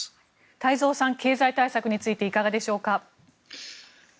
太蔵さん経済対策についていかがでしょうか？